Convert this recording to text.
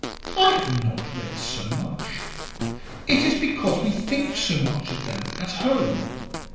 "I have not read so much. It is because we think so much of them at home."